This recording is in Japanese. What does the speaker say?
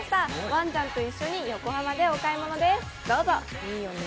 ワンちゃんと一緒に横浜でお買い物です。